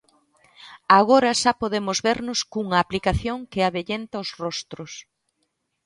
Agora xa podemos vernos cunha aplicación que avellenta os rostros.